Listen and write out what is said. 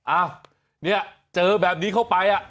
อ้าวเนี่ยเจอแบบนี้เข้าไป